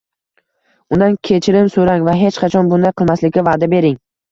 Undan kechirim so‘rang va hech qachon bunday qilmaslikka va’da bering.